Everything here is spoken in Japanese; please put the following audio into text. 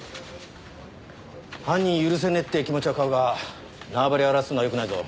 犯人許せねえって気持ちは買うが縄張りを荒らすのはよくないぞ。